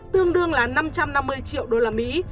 tương đương là năm trăm năm mươi triệu đô la mỹ